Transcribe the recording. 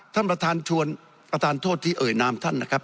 ท่านประธานชวนประธานโทษที่เอ่ยนามท่านนะครับ